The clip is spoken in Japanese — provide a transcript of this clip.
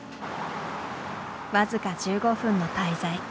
僅か１５分の滞在。